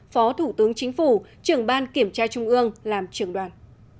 phó thủ tướng chính phủ trưởng ban kiểm tra trung ương làm trưởng đoàn